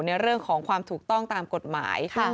ในเรื่องของความถูกต้องตามกฎหมาย